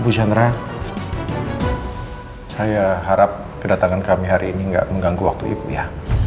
bu chandra saya harap kedatangan kami hari ini tidak mengganggu waktu ibu ya